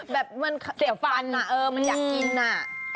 แบบมันเสียบฟันมันอยากกินน่ะ